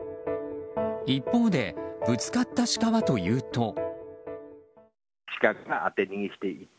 一方でぶつかったシカはというと。